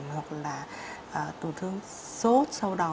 hoặc là tù thương sốt sau đó